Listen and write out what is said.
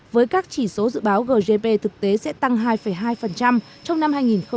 với các chỉ số dự báo gdp thực tế sẽ tăng hai hai trong năm hai nghìn hai mươi